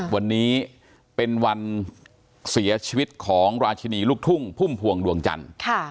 วันนี้เป็นวันเสียชีวิตของราชินีลูกทุ่งพุ่มพวงดวงจันทร์